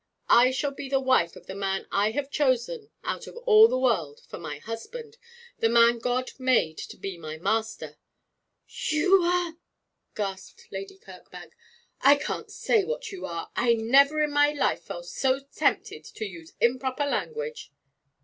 I shall be the wife of the man I have chosen out of all the world for my husband the man God made to be my master.' 'You are ' gasped Lady Kirkbank. 'I can't say what you are. I never in my life felt so tempted to use improper language.'